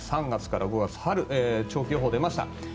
３月から５月長期予報が出ました。